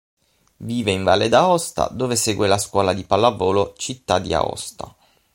Vive in Valle d'Aosta dove segue la Scuola di Pallavolo città di Aosta.